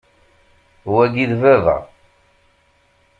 Wagi, d baba.